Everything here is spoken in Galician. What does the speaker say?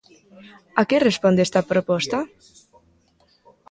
A que responde esta proposta?